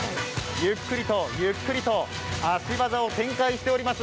ゆっくりと、ゆっくりと足技を展開しております。